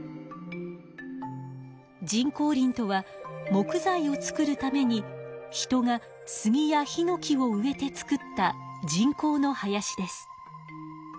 人工林とは木材を作るために人がスギやヒノキを植えて造った人工の林です。